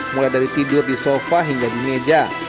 mulai dari tidur di sofa hingga di meja